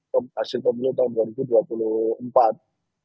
hasil pemilu tahun dua ribu dua puluh empat